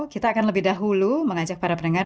kita akan lebih dahulu mengajak para pendengar